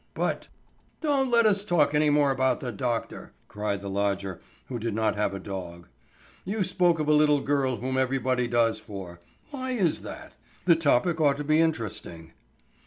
"But——" "Don't let us talk any more about the doctor," cried the lodger who did not have a dog. "You spoke of a little girl whom everybody does for. Why is that? The topic ought to be interesting."